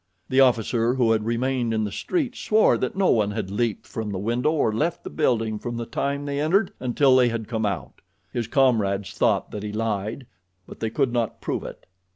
The officer who had remained in the street swore that no one had leaped from the window or left the building from the time they entered until they had come out. His comrades thought that he lied, but they could not prove it.